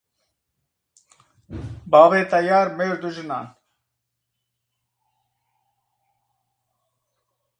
Babê teyar mêr dû jinan